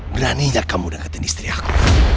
beraninya kamu dengarkan istri aku